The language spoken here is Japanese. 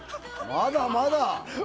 まだまだ。